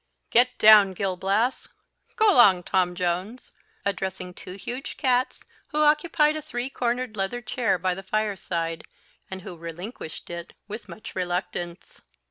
Get down, Gil Blas go along, Tom Jones," addressing two huge cats, who occupied a three cornered leather chair by the fireside, and who relinquished it with much reluctance.